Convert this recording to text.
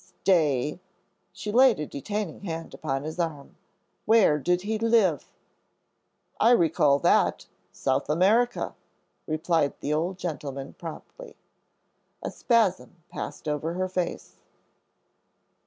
"Stay," she laid a detaining hand upon his arm; "where did he live?" "I recall that South America," replied the old gentleman, promptly. A spasm passed over her face.